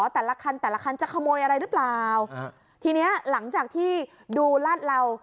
แต่ละคันแต่ละคันจะขโมยอะไรหรือเปล่าทีเนี้ยหลังจากที่ดูลาดเหล่า